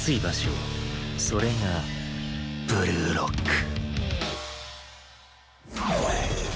それがブルーロック。